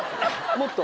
もっと。